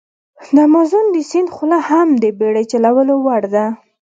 د امازون د سیند خوله هم د بېړی چلولو وړ ده.